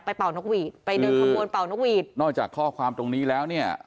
เป่านกหวีดไปเดินขบวนเป่านกหวีดนอกจากข้อความตรงนี้แล้วเนี่ย